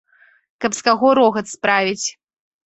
Каб з каго рогат справіць.